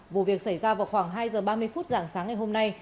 vụ việc xảy ra vào khoảng hai h ba mươi phút giảng sáng ngày hôm nay